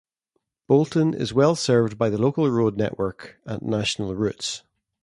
Bolton is well served by the local road network and national routes.